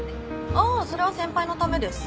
ああそれは先輩のためです。